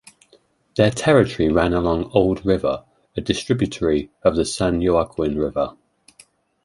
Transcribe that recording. Their territory ran along Old River a distributary of the San Joaquin River.